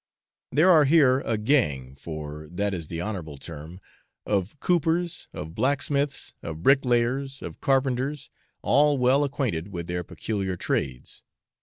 There are here a gang (for that is the honourable term) of coopers, of blacksmiths, of bricklayers, of carpenters all well acquainted with their peculiar trades.